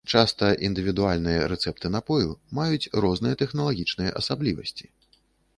Часта індывідуальныя рэцэпты напою маюць розныя тэхналагічныя асаблівасці.